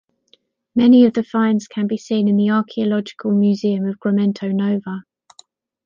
Many of the finds can be seen in the Archaeological Museum of Grumento Nova.